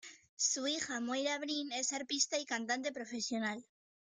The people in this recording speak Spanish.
Su hija Moira Breen es arpista y cantante profesional.